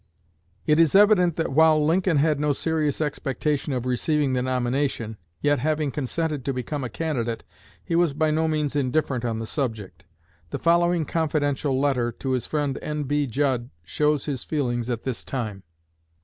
It is evident that while Lincoln had no serious expectation of receiving the nomination, yet having consented to become a candidate he was by no means indifferent on the subject. The following confidential letter to his friend N.B. Judd shows his feelings at this time.